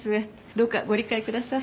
どうかご理解ください。